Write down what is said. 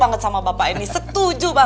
nah ada pintah